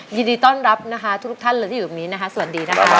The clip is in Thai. ยินดีต้อนรับทุกท่านที่อยู่ตรงนี้นะคะสวัสดีครับ